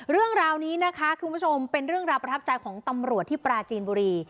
เรื่องราวนี้นะคะคุณผู้ชมเป็นเรื่องราวประทับใจของตำรวจที่ปราจีนบุรี